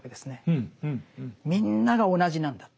みんなが同じなんだと。